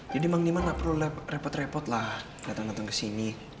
jadi bang diman gak perlu repot repot lah datang datang ke sini